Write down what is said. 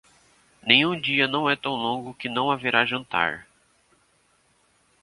Nenhum dia não é tão longo que não haverá jantar.